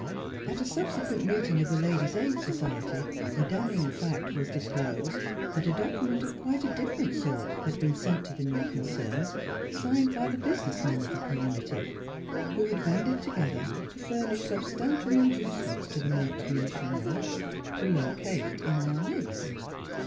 At a subsequent meeting of the Ladies' Aid Society the damning fact was dis closed that a document of quite a different sort had been sent to the new concern signed by the business men of the community, who had banded together to furnish substantial inducements to 225 226 NEIGHBORS the Merks Munition Works to " locate in our midst."